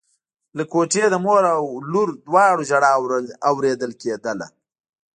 له کوټې د مور او لور دواړو ژړا اورېدل کېدله.